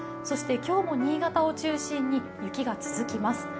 そして今日も新潟を中心に雪が続きます。